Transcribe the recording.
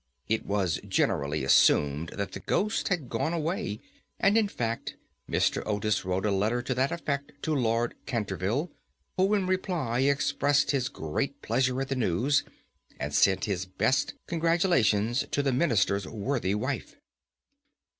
It was generally assumed that the ghost had gone away, and, in fact, Mr. Otis wrote a letter to that effect to Lord Canterville, who, in reply, expressed his great pleasure at the news, and sent his best congratulations to the Minister's worthy wife.